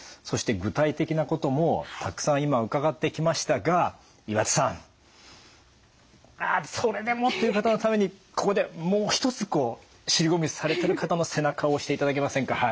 そして具体的なこともたくさん今伺ってきましたが岩田さんまあそれでもっていう方のためにここでもう一つこう尻込みされてる方の背中を押していただけませんか。